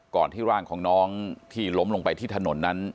ที่ร่างของน้องที่ล้มลงไปที่ถนนนั้น